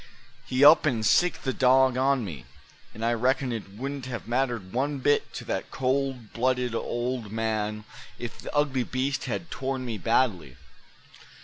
He up and sicked the dog on me; and I reckon it wouldn't have mattered one bit to that cold blooded old man if the ugly beast had torn me badly."